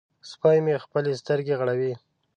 سپی مې خپلې سترګې غړوي.